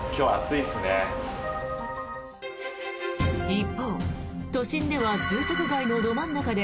一方、都心では住宅街のど真ん中で